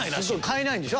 買えないんでしょ？